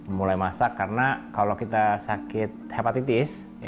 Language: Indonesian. mulai masak karena kalau kita sakit hepatitis